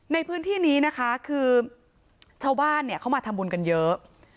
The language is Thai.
ในพื้นที่นี้นะคะคือชาวบ้านเขามาทำบุญกันเยอะ